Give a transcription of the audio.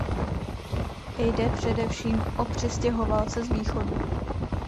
Jde především o přistěhovalce z východu.